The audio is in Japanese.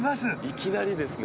いきなりですね